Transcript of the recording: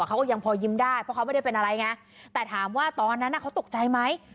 เขาก็ยังพอยิ้มได้เพราะเขาไม่ได้เป็นอะไรไงแต่ถามว่าตอนนั้นเขาตกใจไหม